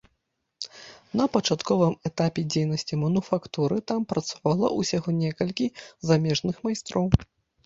На пачатковым этапе дзейнасці мануфактуры там працавала ўсяго некалькі замежных майстроў.